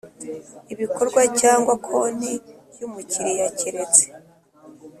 ibikorwa cyangwa konti y umukiriya keretse